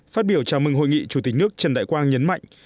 phát biểu chào mừng hội nghị chủ tịch nước trần đại quang nhấn mạnh